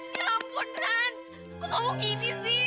ya ampun ran kok kamu gini sih